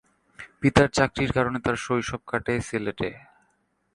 পিতার চাকরির কারণে তার শৈশব কাটে সিলেটে।